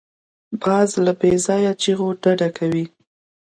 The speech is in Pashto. باز له بېځایه چیغو ډډه کوي